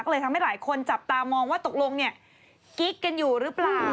ก็เลยทำให้หลายคนจับตามองว่าตกลงเนี่ยกิ๊กกันอยู่หรือเปล่า